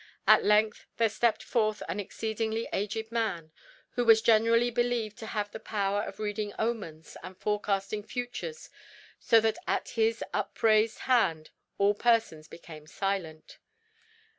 At length there stepped forth an exceedingly aged man, who was generally believed to have the power of reading omens and forecasting futures, so that at his upraised hand all persons became silent.